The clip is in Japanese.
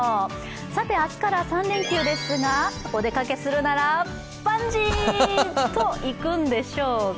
さて明日から３連休ですが、お出かけするならバンジーといくんでしょうか。